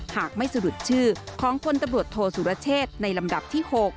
หากไม่สรุปชื่อของพลตำรวจโทษสุรเชษในลำดับที่๖